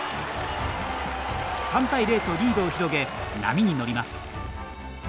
３対０とリードを広げ波に乗ります。